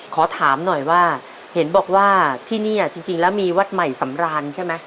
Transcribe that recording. ขอถามหน่อยว่าเห็นบอกว่าที่นี่จริงแล้วมีวัดใหม่สำราญใช่ไหม